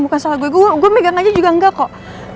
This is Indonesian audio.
bukan salah gue gue megang aja juga nggak kok